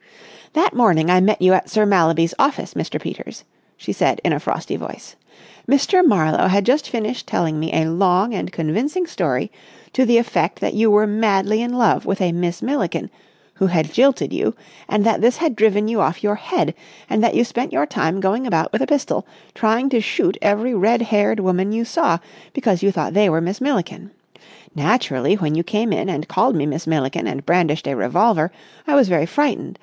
"That morning I met you at Sir Mallaby's office, Mr. Peters," she said in a frosty voice, "Mr. Marlowe had just finished telling me a long and convincing story to the effect that you were madly in love with a Miss Milliken, who had jilted you, and that this had driven you off your head, and that you spent your time going about with a pistol, trying to shoot every red haired woman you saw, because you thought they were Miss Milliken. Naturally, when you came in and called me Miss Milliken, and brandished a revolver, I was very frightened.